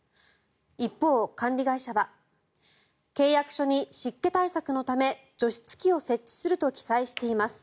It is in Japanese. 一方、管理会社は契約書に湿気対策のため除湿機を設置すると記載しています